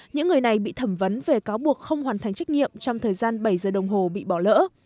những người này bị thẩm vấn về cáo buộc không hoàn thành trách nhiệm trong thời gian bảy giờ đồng hồ bị bỏ lỡ